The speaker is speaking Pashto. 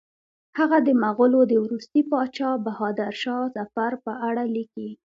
هغه د مغولو د وروستي پاچا بهادر شاه ظفر په اړه لیکي.